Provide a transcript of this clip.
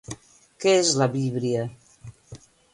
Què és la víbria?